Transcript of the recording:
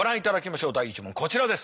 第１問こちらです。